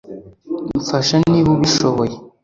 mfasha niba ubishoboye